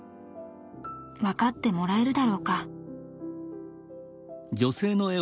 わかってもらえるだろうか」。